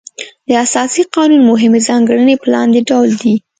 د اساسي قانون مهمې ځانګړنې په لاندې ډول دي.